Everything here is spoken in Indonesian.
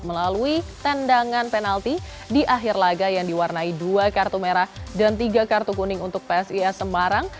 melalui tendangan penalti di akhir laga yang diwarnai dua kartu merah dan tiga kartu kuning untuk psis semarang